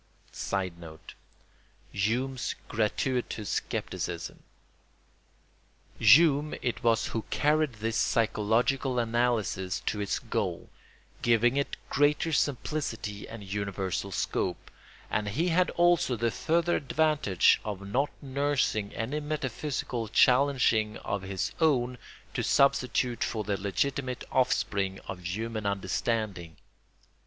[Sidenote: Hume's gratuitous scepticism.] Hume it was who carried this psychological analysis to its goal, giving it greater simplicity and universal scope; and he had also the further advantage of not nursing any metaphysical changeling of his own to substitute for the legitimate offspring of human understanding.